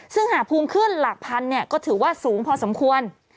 ซึ่งหากภูมิขึ้นหลักพันก็ถือว่าสูงพอสมควร